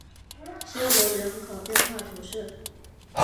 瑟卢人口变化图示